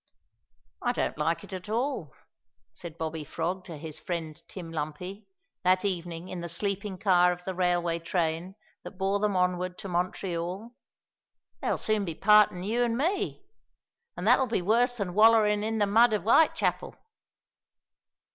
"I don't like it at all," said Bobby Frog to his friend Tim Lumpy, that evening in the sleeping car of the railway train that bore them onward to Montreal; "they'll soon be partin' you an' me, an' that'll be worse than wallerin' in the mud of Vitechapel."